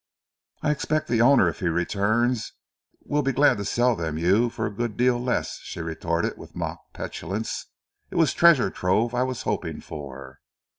"I expect the owner, if he returns, will be glad to sell them you for a good deal less," she retorted with mock petulance. "It was treasure trove I was hoping for."